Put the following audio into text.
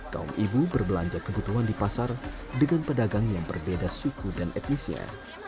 kaum ibu berbelanja kebutuhan di pasar dengan pedagang yang berbeda suku dan etnisnya